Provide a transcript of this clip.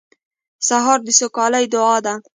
سهار د سوکالۍ دعا ده.